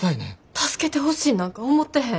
助けてほしいなんか思ってへん。